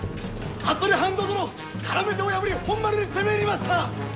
服部半蔵殿からめ手を破り本丸に攻め入りました！